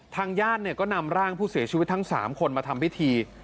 ทางญาติก็นำร่างผู้เสียชีวิตทั้ง๓คนมาทำพิธี